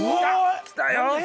来たよ！